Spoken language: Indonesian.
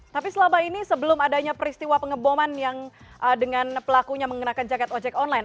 tapi selama ini sebelum adanya peristiwa pengeboman yang dengan pelakunya mengenakan jaket ojek online